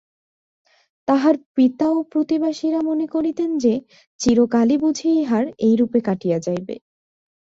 তাহার পিতা ও প্রতিবাসীরা মনে করিতেন যে, চিরকালই বুঝি ইহার এইরূপে কাটিয়া যাইবে।